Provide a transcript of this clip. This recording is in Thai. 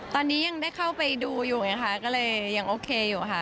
ตอนนี้ยังได้เข้าไปดูอยู่ไงค่ะก็เลยยังโอเคอยู่ค่ะ